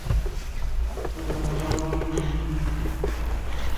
একে অপরের ভালো বন্ধু।